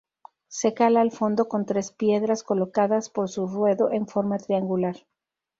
Se cala al fondo con tres piedras colocadas por su ruedo en forma triangular.